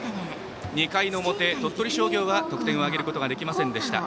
２回の表、鳥取商業は得点を挙げることができませんでした。